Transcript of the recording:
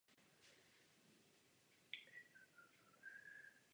Vícekrát byl na filmových festivalech oceněn Cenou akademiků pro nejlepšího filmového herce.